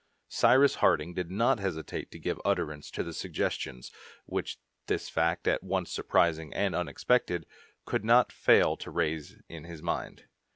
Cyrus Harding did not hesitate to give utterance to the suggestions which this fact, at once surprising and unexpected, could not fail to raise in his mind.